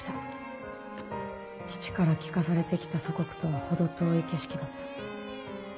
父から聞かされてきた祖国とは程遠い景色だった。